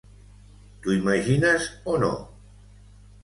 T'ho imagines o no?